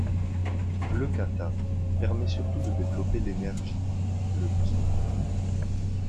Le kata permet surtout de développer l'énergie, le ki.